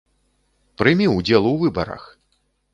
Прымі ўдзел у выбарах!